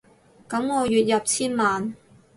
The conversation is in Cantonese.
噉我月入千萬